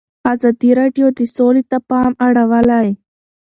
ازادي راډیو د سوله ته پام اړولی.